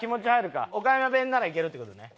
岡山弁ならいけるって事ね。